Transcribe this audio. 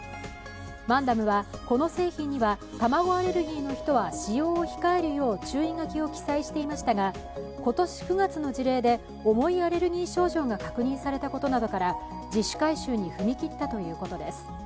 マンダムは、この製品には卵アレルギーの人は使用を控えるよう注意書きを記載していましたが今年９月の事例で重いアレルギー症状が確認されたことなどから自主回収に踏み切ったということです。